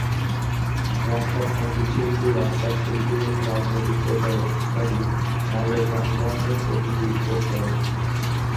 রাস্তার সঙ্গীতশিল্পী, রাস্তার শিল্পী, রাজনৈতিক প্রচারক ইত্যাদি মলের প্রাণবন্ত প্রকৃতি যোগ করে।